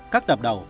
các tập đầu